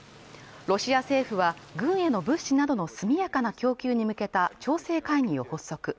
ロシア政府は軍への物資などの速やかな供給に向けた調整会議を発足